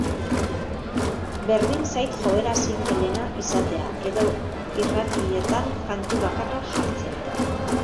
Berdin zait joera singleena izatea edo irratietan kantu bakarra jartzea.